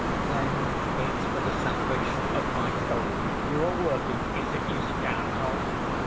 "Then it's for the salvation of my soul you are working, is it, you scoundrel?"